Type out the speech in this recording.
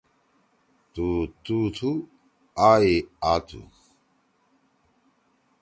تُو تُو تُھو آ ئی آ تُھو